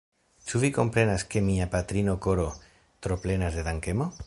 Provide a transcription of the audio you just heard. Ĉu vi komprenas ke mia patrino koro troplenas de dankemo?